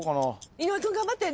井上君頑張って。